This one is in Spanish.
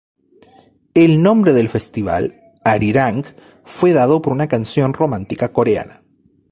El nombre del festival, "Arirang", fue dado por una canción romántica coreana.